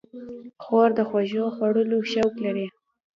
خور د خوږو خوړلو شوق لري.